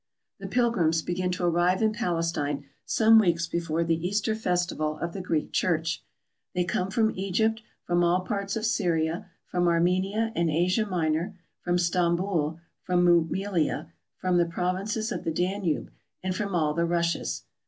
The pilgrims begin to arrive in Palestine some weeks be fore the Easter festival of the Greek Church. They come from Egypt, from all parts of Syria, from Armenia and Asia Minor, from Stamboul, from Roumelia, from the prov inces of the Danube, and from all the Russias.